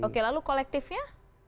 oke lalu kolektifnya